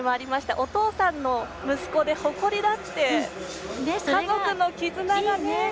お父さんの息子で誇りだって家族の絆がね。